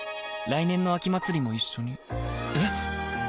来年の秋祭も一緒にえ